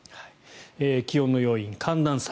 気温の要因、寒暖差。